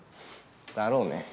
だろうね。